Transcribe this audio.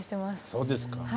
そうですか。